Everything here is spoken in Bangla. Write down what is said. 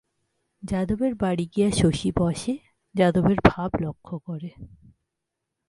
যাদবের বাড়ি গিয়া শশী বসে, যাদবের ভাব লক্ষ করে।